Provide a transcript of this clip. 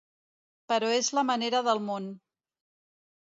Però és la manera del món.